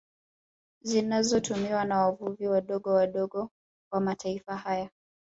Zinazotumiwa na wavuvi wadogo wadogo wa mataifa haya